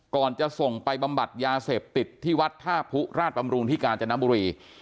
ก่อนจะส่งไปบำบัดยาเสพติดที่วัดท่าผู้ราชบำรุงที่กาญจนบุรี